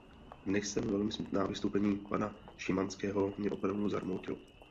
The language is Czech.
Jsem dnes velmi smutná; vystoupení pana Szymańského mě opravdu zarmoutilo.